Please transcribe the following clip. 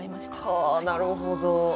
はあなるほど。